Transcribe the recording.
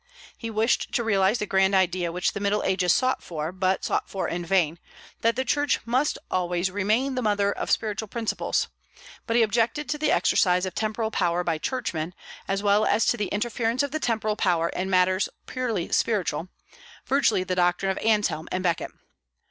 He wished to realize the grand idea which the Middle Ages sought for, but sought for in vain, that the Church must always remain the mother of spiritual principles; but he objected to the exercise of temporal power by churchmen, as well as to the interference of the temporal power in matters purely spiritual, virtually the doctrine of Anselm and Becket.